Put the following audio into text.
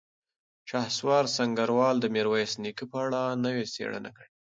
شهسوار سنګروال د میرویس نیکه په اړه نوې څېړنه کړې.